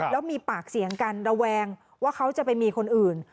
แล้วมีปากเสียงกันระแวงว่าเขาจะไปมีคนอื่น